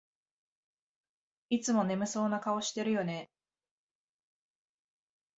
いつも眠そうな顔してるよね